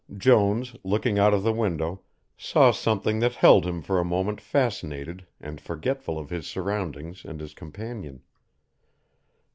Jones, looking out of the window, saw something that held him for a moment fascinated and forgetful of his surroundings and his companion.